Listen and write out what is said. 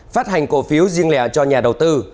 phát hành cổ phiếu riêng lẻ cho nhà đầu tư